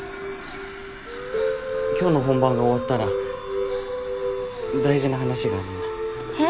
今日の本番が終わったら大事な話があるんだへ？